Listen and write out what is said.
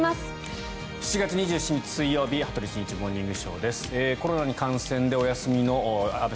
７月２７日、水曜日「羽鳥慎一モーニングショー」。